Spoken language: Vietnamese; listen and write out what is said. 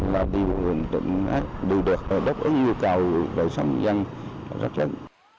và đi bộ huyền tượng đều được đốc ứng yêu cầu đời sống nhân rất chân